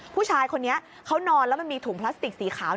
ผู้ชายคนนี้เขานอนแล้วมันมีถุงพลาสติกสีขาว